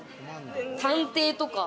探偵とか？